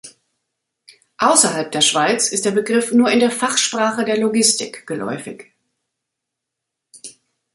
Außerhalb der Schweiz ist der Begriff nur in der Fachsprache der Logistik geläufig.